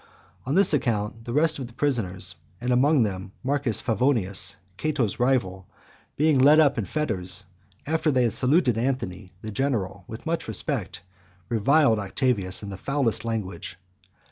On this account, the rest of the prisoners, and amongst them Marcus Favonius, Cato's rival, being led up in fetters, after they had saluted Antony, the general, with much respect, reviled Octavius in the foulest language.